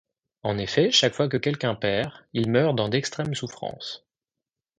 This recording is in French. En effet, chaque fois que quelqu'un perd, il meurt dans d'extrêmes souffrances.